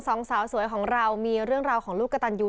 สองสาวสวยของเรามีเรื่องราวของลูกกระตันยู